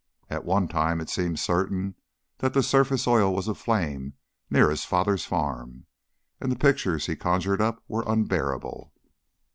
At one time it seemed certain that the surface oil was aflame near his father's farm, and the pictures he conjured up were unbearable.